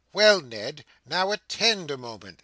"Well, Ned. Now attend a moment!"